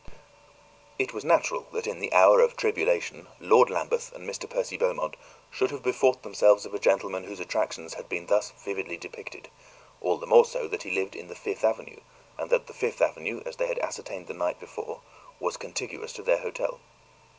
It was natural that in the hour of tribulation Lord Lambeth and Mr. Percy Beaumont should have bethought themselves of a gentleman whose attractions had been thus vividly depicted; all the more so that he lived in the Fifth Avenue, and that the Fifth Avenue, as they had ascertained the night before, was contiguous to their hotel.